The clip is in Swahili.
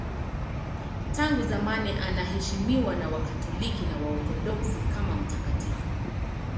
Tangu zamani anaheshimiwa na Wakatoliki na Waorthodoksi kama mtakatifu.